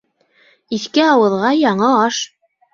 Иҫке ауыҙға яңы аш!